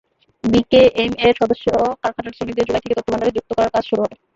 বিকেএমইএর সদস্য কারখানার শ্রমিকদের জুলাই থেকে তথ্যভান্ডারে যুক্ত করার কাজ শুরু হবে।